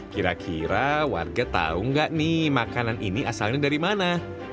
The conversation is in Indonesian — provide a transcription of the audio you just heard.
kira kira warga tahu nggak nih makanan ini asalnya dari mana